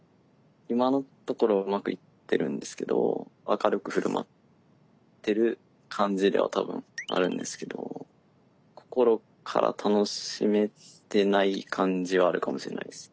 今のところはうまくいってるんですけど明るくふるまってる感じでは多分あるんですけど心から楽しめてない感じはあるかもしれないです。